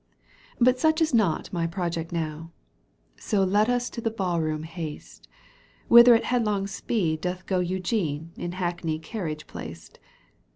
But such is not my project now, So let us to the baU room haste, Whither at headlong speed doth go Eugene in hackney carriage placed.